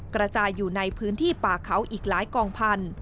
กระจายอยู่ในพื้นที่ป่าเขาอีกหลายกองพันธุ